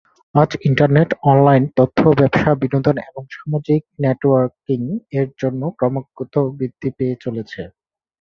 আজ internet online তথ্য, ব্যবসা, বিনোদন এবং সামাজিক নেটওয়ার্কিং এর জন্য ক্রমাগত বৃদ্ধি পেয়ে চলেছে।